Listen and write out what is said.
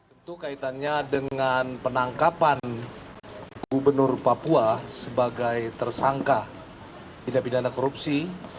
itu kaitannya dengan penangkapan gubernur papua sebagai tersangka tindak pidana korupsi